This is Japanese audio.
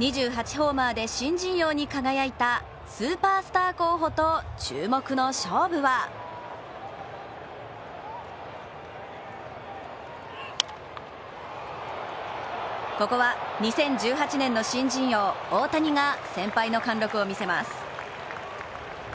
ホーマーで新人王に輝いたスーパースター候補と注目の勝負はここは２０１８年の新人王、大谷が先輩の貫禄を見せます。